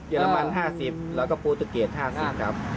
เรมัน๕๐แล้วก็โปรตูเกต๕๐ครับ